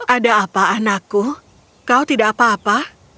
ada apa anakku kau tidak apa apa